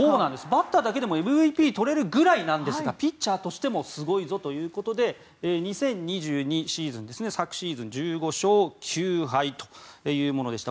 バッターだけでもＭＶＰ取れるぐらいなんですがピッチャーとしてもすごいぞということで２０２２シーズン、昨シーズン１５勝９敗というものでした。